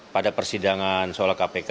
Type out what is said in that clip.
pada persidangan soal kpk